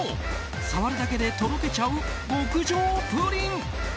触るだけでとろけちゃう極上プリン。